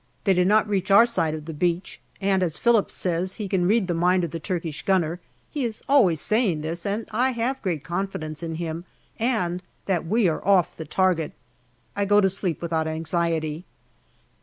They do not reach our side of the beach, and, as Phillips says he " can read the mind of the Turkish gunner " (he is always saying this, and I have great confidence in him), and that we are off the target, I go to sleep without anxiety.